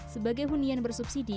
sebagai hunian bersubsidi